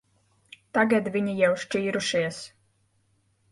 Tagad viņi jau šķīrušies.